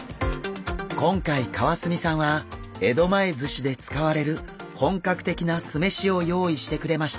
今回川澄さんは江戸前寿司で使われる本格的な酢飯を用意してくれました。